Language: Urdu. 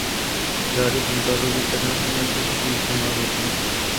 کھلاڑی فنکاروں کی طرح امن کے سفیر شمار ہوتے ہیں۔